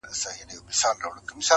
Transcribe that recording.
o نور خلگ پيسې گټي، پښتانه کيسې گټي!